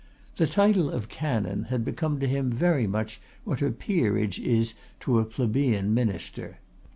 The title of Canon had become to him very much what a peerage is to a plebeian minister.